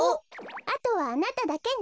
あとはあなただけね。